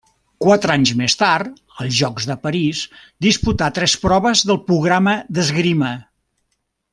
Quatre anys més tard, als Jocs de París, disputà tres proves del programa d'esgrima.